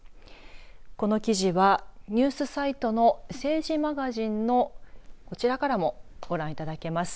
この記事はニュースサイトの政治マガジンのこちらからもご覧いただけます。